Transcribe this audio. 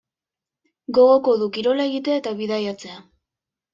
Gogoko du kirola egitea eta bidaiatzea.